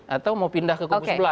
atau mau pindah ke kubus belah